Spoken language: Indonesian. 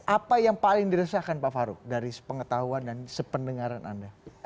apa yang paling diresahkan pak faruk dari pengetahuan dan sependengaran anda